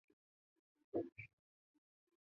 香港金融投资控股集团有限公司。